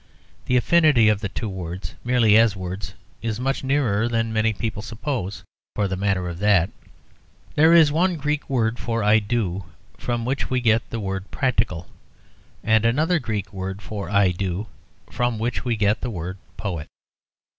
The affinity of the two words, merely as words, is much nearer than many people suppose, for the matter of that. There is one Greek word for "I do" from which we get the word practical, and another Greek word for "I do" from which we get the word poet.